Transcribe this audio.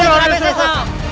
hidup surawi sesa